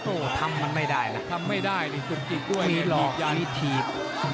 โอ้วทำมันไม่ได้ละทำไม่ได้จุกจีกด้วยเนี่ยจีบยัน